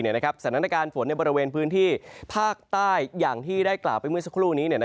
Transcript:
สถานการณ์ฝนในบริเวณพื้นที่ภาคใต้อย่างที่ได้กล่าวไปเมื่อสักครู่นี้